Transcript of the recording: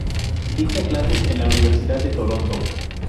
Dicta clases en la Universidad de Toronto.